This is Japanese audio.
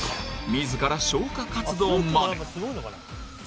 自ら消火活動まで。